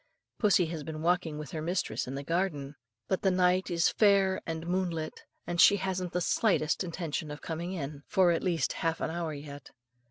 Pussy has been walking with her mistress in the garden; but the night is fair and moonlit, and she hasn't the slightest intention of coming in, for at least half an hour yet.